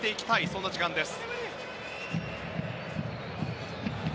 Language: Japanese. そんな時間です。